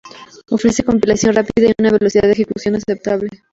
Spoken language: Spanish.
Ofrece compilación rápida y una velocidad de ejecución aceptable.